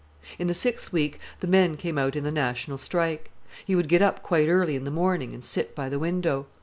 In the sixth week the men came out in the national strike. He would get up quite early in the morning and sit by the window.